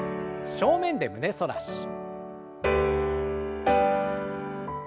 正面で胸反らし。